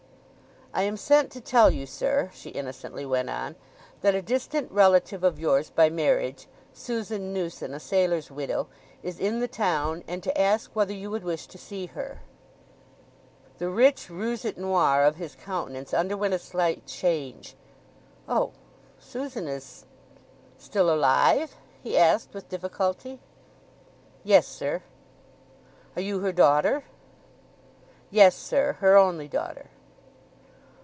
"I am sent to tell you, sir," she innocently went on, "that a distant relative of yours by marriage, Susan Newson, a sailor's widow, is in the town, and to ask whether you would wish to see her." The rich rouge et noir of his countenance underwent a slight change. "Oh—Susan is—still alive?" he asked with difficulty. "Yes, sir." "Are you her daughter?" "Yes, sir—her only daughter."